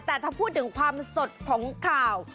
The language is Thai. แต่ถ้าพูดถึงความสดของข่าว